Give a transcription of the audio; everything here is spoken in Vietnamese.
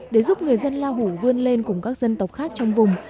để giúp người dân la hủ vươn lên cùng các dân tộc khác trong vùng